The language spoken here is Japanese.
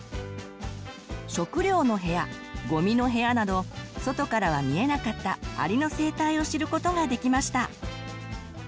「しょくりょうのへや」「ごみのへや」など外からは見えなかったアリの生態を知ることができました。